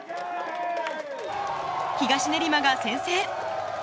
東練馬が先制！